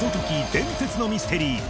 伝説のミステリー』